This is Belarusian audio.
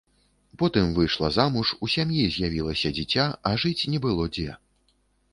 Потым выйшла замуж, у сям'і з'явілася дзіця, а жыць не было дзе.